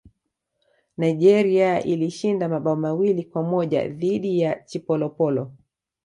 nigeria ilishinda mabao mawili kwa moja dhidi ya chipolopolo